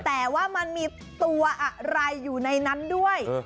แต่ว่ามันมีตัวอะไรอยู่ในนั้นด้วย